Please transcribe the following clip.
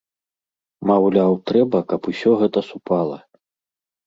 Маўляў, трэба, каб усё гэта супала.